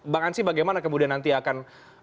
bang ansi bagaimana kemudian nanti akan